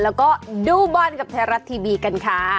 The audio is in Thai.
แล้วก็ดูบอลกับไทยรัฐทีวีกันค่ะ